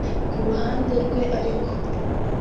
Ku ruhande rwe ariko